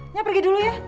nya pergi dulu ya